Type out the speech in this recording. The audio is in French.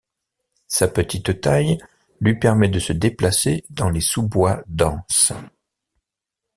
Sa petite taille lui permet de se déplacer dans les sous-bois denses.